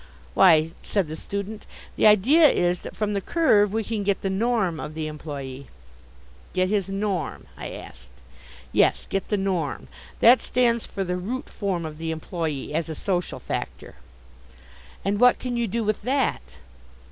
"Why," said the student, "the idea is that from the Curve we can get the Norm of the employe." "Get his Norm?" I asked. "Yes, get the Norm. That stands for the Root Form of the employe as a social factor." "And what can you do with that?"